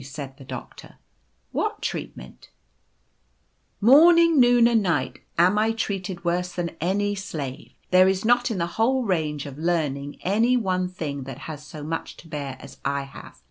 said the Doctor. ( What treat ment ?'" 4 Morning, noon, and night am I treated worse than any slave. There is not in the whole range of learning any one thing that has so much to bear as I have.